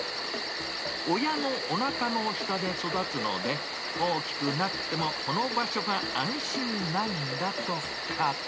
親のおなかの下で育つので、大きくなってもこの場所が安心なんだとか。